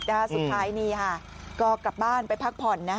สุดท้ายนี่ค่ะก็กลับบ้านไปพักผ่อน